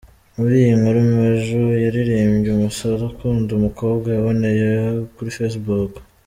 Muri iyi nkuru Majo yaririmbye , umusore akunda umukobwa yaboneye kuri facebook.